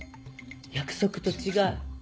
約束と違う。